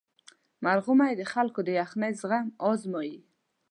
مرغومی د خلکو د یخنۍ زغم ازمويي.